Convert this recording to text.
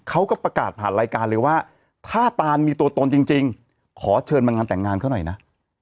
เขาก็ประกาศผ่านรายการเลยว่าถ้าตานมีตัวตนจริงขอเชิญมางานแต่งงานเขาหน่อยนะ